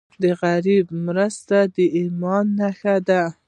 د غریب مرسته د ایمان نښه ده.